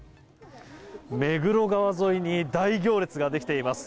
目黒川沿いに大行列ができています。